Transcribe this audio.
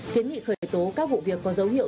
kiến nghị khởi tố các vụ việc có dấu hiệu